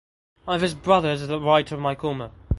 One of his brothers is the writer Mike Omer.